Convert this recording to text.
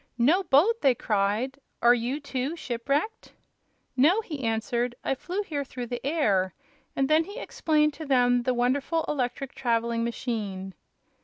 "No boat!" they cried; "are you, too, shipwrecked?" "No;" he answered. "I flew here through the air." And then he explained to them the wonderful electric traveling machine.